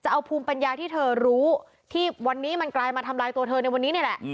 เอาภูมิปัญญาที่เธอรู้ที่วันนี้มันกลายมาทำลายตัวเธอในวันนี้นี่แหละ